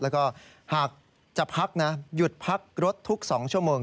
แล้วก็หากจะพักนะหยุดพักรถทุก๒ชั่วโมง